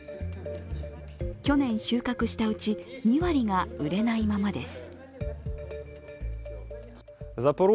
去年収穫したうち２割が売れないままです。